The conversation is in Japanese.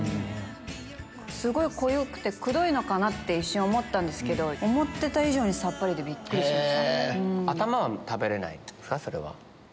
すごい濃ゆくてくどいのかなって一瞬思ったんですけど思ってた以上にさっぱりでびっくりしました。